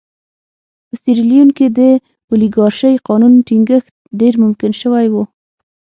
په سیریلیون کې د اولیګارشۍ قانون ټینګښت ډېر ممکن شوی و.